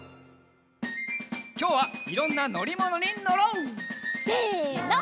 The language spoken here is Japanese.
きょうはいろんなのりものにのろう！せの！